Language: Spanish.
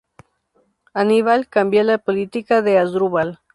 Aníbal cambia la política de Asdrúbal.